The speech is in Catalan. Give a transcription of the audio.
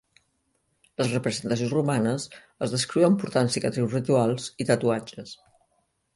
Les representacions romanes els descriuen portant cicatrius rituals i tatuatges.